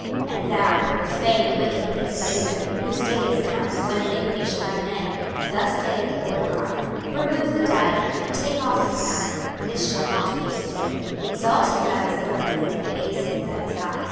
26:021:025 And thou, profane wicked prince of Israel, whose day is come, when iniquity shall have an end, 26:021:026 Thus saith the Lord GOD; Remove the diadem, and take off the crown: this shall not be the same: exalt him that is low, and abase him that is high.